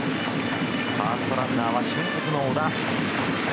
ファーストランナーは俊足の小田。